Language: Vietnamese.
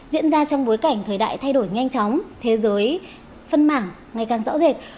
diễn ra trong bối cảnh thời đại thay đổi nhanh chóng thế giới phân mảng ngày càng rõ rệt